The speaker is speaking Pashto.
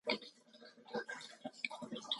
آیا د ریل پټلۍ لرو؟